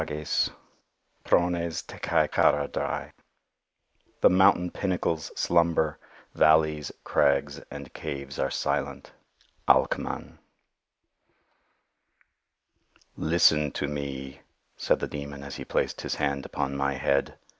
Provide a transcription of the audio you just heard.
SILENCE—A FABLE "The mountain pinnacles slumber; valleys, crags and caves are silent." "Listen to me," said the Demon as he placed his hand upon my head.